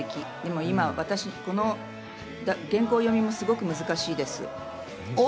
今、私、この原稿読みもすごく難しいです。